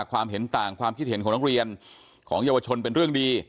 ความเห็นต่างความคิดเห็นของนักเรียนของเยาวชนเป็นเรื่องดี